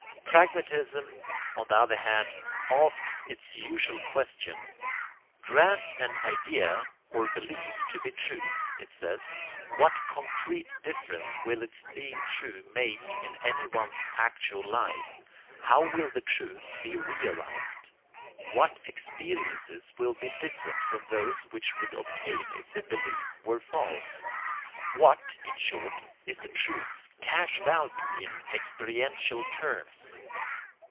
Pragmatism, on the other hand, asks its usual question. "Grant an idea or belief to be true," it says, "what concrete difference will its being true make in anyone's actual life? How will the truth be realized? What experiences will be different from those which would obtain if the belief were false? What, in short, is the truth's cash value in experiential terms?"